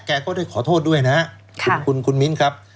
แกก็ได้ขอโทษด้วยนะคุณมิ้นครับ